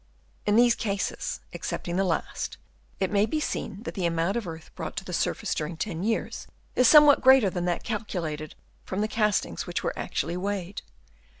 In these cases (excepting the last) it may be seen that the amount of earth brought to the surface during 10 years is somewhat greater than that calculated from the castings which were actually weighed.